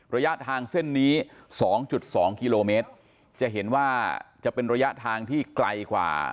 ระยะทางเส้นนี้๒๒กิโลเมตรจะเห็นว่าจะเป็นระยะทางที่ไกลกว่า